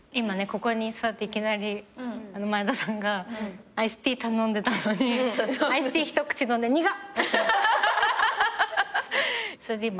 ここに座っていきなり前田さんがアイスティー頼んでたのにアイスティー一口飲んで「苦っ！」それで今。